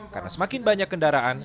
karena semakin banyak kendaraan